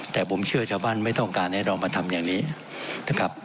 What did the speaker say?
แต่ผมเชื่อชาวบ้านไม่ต้องการให้เรามาทำอย่างนี้นะครับ